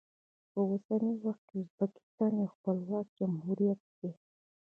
په اوسني وخت کې ازبکستان یو خپلواک جمهوریت دی.